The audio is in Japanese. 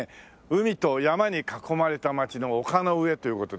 海と山に囲まれた町の丘の上という事で。